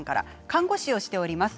看護師をしております。